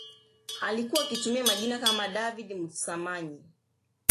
Alikuwa akitumia majina kama David Mutsamanyi